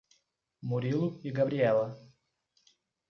Murilo e Gabriela